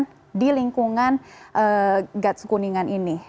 tadi kecepatan di lingkungan gat sekuningan ini